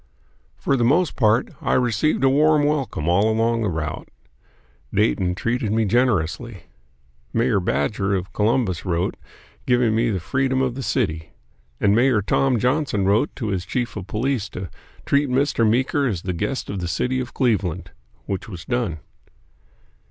For the most part I received a warm welcome all along the route. Dayton treated me generously. Mayor Badger of Columbus wrote giving me the freedom of the city; and Mayor Tom Johnson wrote to his chief of police to "treat Mr. Meeker as the guest of the city of Cleveland," which was done.